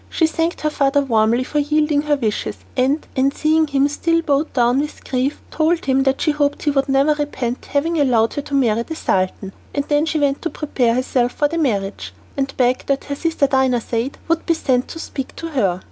She thanked her father warmly for yielding to her wishes, and, seeing him still bowed down with grief, told him that she hoped he would never repent having allowed her to marry the Sultan. Then she went to prepare herself for the marriage, and begged that her sister Dinarzade should be sent for to speak to her.